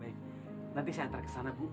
nanti saya antar ke sana bu